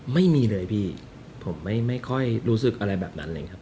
ไม่มีเลยพี่ผมไม่ค่อยรู้สึกอะไรแบบนั้นเลยครับ